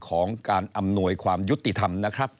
ของการอำนวยความยุติธรรม